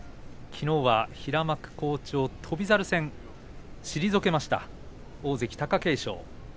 きのうは平幕の好調翔猿戦を退けました、大関貴景勝。